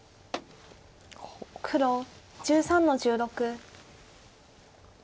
黒１３の十六。